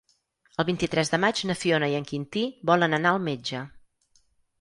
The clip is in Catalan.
El vint-i-tres de maig na Fiona i en Quintí volen anar al metge.